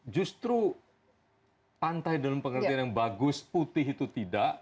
justru pantai dalam pengertian yang bagus putih itu tidak